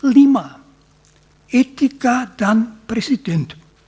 lima etika dan presiden